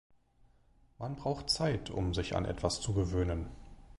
Man braucht Zeit, um sich an etwas zu gewöhnen.